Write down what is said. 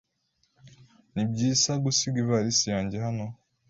Ni byiza gusiga ivalisi yanjye hano?